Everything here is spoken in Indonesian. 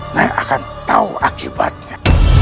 nyai akan tahu akibatnya